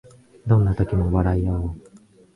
どんな時も笑いあおう